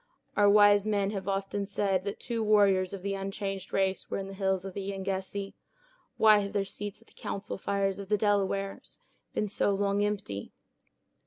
"Our wise men have often said that two warriors of the unchanged race were in the hills of the Yengeese; why have their seats at the council fires of the Delawares been so long empty?"